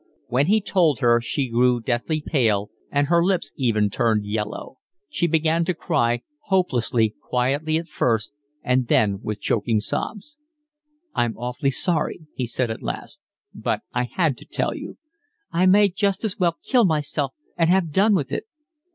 When he told her she grew deathly pale, and her lips even turned, yellow. she began to cry, hopelessly, quietly at first and then with choking sobs. "I'm awfully sorry," he said at last. "But I had to tell you." "I may just as well kill myself and have done with it."